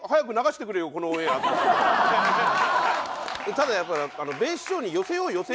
ただやっぱり。